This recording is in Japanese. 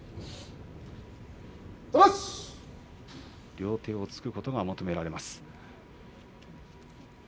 両手をつくことが求められます。